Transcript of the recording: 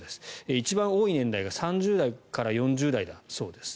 一番多い年代が３０代から４０代だそうです。